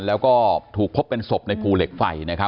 และก็ถูกพบเป็นศพในภูเหล็กไฟ